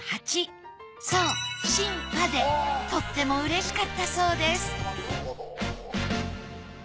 そう新派でとってもうれしかったそうです